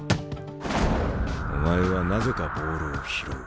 お前はなぜかボールを拾う。